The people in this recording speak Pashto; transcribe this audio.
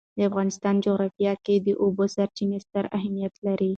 د افغانستان جغرافیه کې د اوبو سرچینې ستر اهمیت لري.